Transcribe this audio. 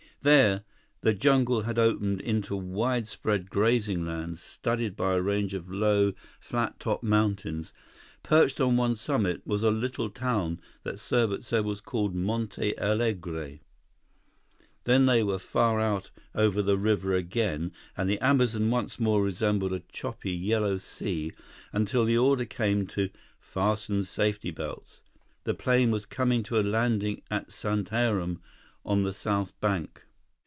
There, the jungle had opened into widespread grazing lands, studded by a range of low, flat topped mountains. Perched on one summit was a little town that Serbot said was called Monte Alegre. Then they were far out over the river again, and the Amazon once more resembled a choppy, yellow sea, until the order came to "Fasten safety belts!" The plane was coming to a landing at Santarém on the south bank.